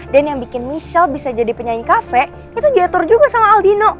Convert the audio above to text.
dan yang bikin michelle bisa jadi penyanyi kafe itu jatuh juga sama aldino